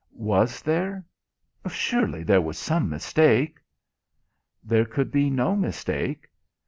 Was there, surely there was some mistake? There could be no mistake.